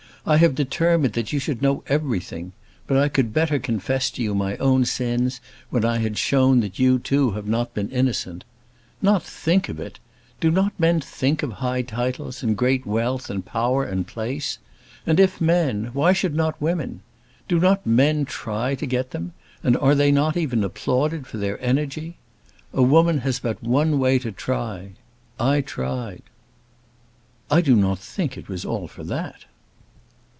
I have determined that you should know everything, but I could better confess to you my own sins when I had shown that you too have not been innocent. Not think of it! Do not men think of high titles and great wealth and power and place? And if men, why should not women? Do not men try to get them; and are they not even applauded for their energy? A woman has but one way to try. I tried." "I do not think it was all for that."